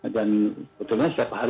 dan betulnya setiap hari